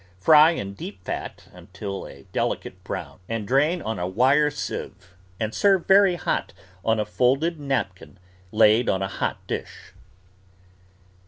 Fry in deep fat until a delicate brown and drain on a wire sieve and serve very hot on a folded napkin laid on a hot dish.